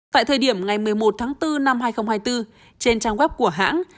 tại thời điểm ngày một mươi một tháng bốn năm hai nghìn hai mươi bốn trên trang web của hãng